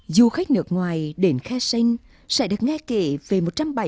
du khách nước ngoài đến khe xanh sẽ được nghe kể về một trăm bảy mươi